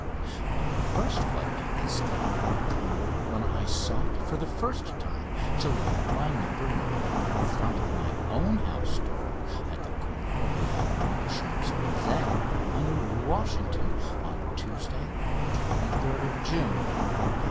My first flight of this kind occurred when I sought for the first time to land in my "No. 9" in front of my own house door, at the corner of the Avenue des Champs Elysées and the Rue Washington, on Tuesday, 23rd June 1903.